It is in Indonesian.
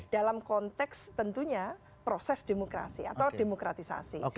dalam konteks tentunya proses demokrasi atau demokratisasi